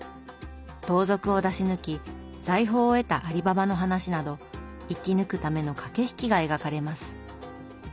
盗賊を出し抜き財宝を得たアリババの話など生き抜くための駆け引きが描かれます。